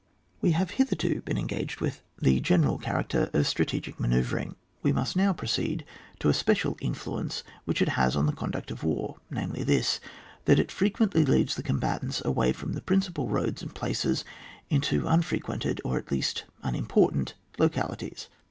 We have hitherto been engaged with CUAP. XXX.] DEFENCE OF A THEATRE OF WAR. 207 the general character of strategic manoeu Tring ; we must now proceed to a special influence which it has on the conduct of war, namely this, that it frequently leads the combatants away from the principal roads and places into unfrequented, or at least unimportant localities.